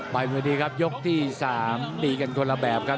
ไปเมื่อที่ครับยกที่๓มีกันคนละแบบครับ